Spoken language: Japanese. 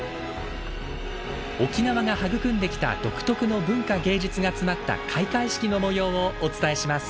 沖縄が育んできた独特の文化芸術が詰まった開会式の模様をお伝えします